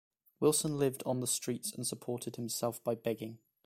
Wilson lived on the streets and supported himself by begging.